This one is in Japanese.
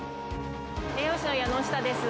栄養士の矢ノ下です。